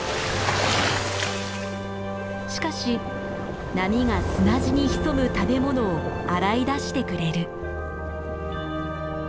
しかし波が砂地に潜む食べものを洗い出してくれる。